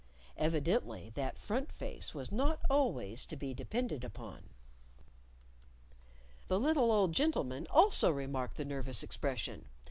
(Evidently that front face was not always to be depended upon!) The little old gentleman also remarked the nervous expression.